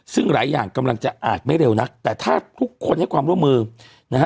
ซึ่งหลายอย่างกำลังจะอาจไม่เร็วนักแต่ถ้าทุกคนให้ความร่วมมือนะฮะ